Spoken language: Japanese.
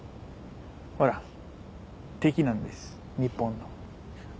ほら敵なんです日本の。